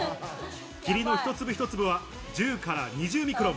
霧の一粒一粒は１０から２０ミクロン。